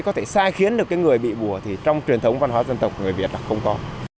có thể sai khiến được cái người bị bùa thì trong truyền thống văn hóa dân tộc người việt là không có